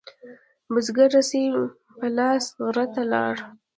بزگر رسۍ په لاس غره ته لاړ.